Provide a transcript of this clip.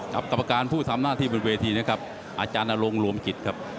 กับกรรมผู้สำนาจที่เป็นเวทีนะครับอาจารย์อารมณ์โรมกริสครับ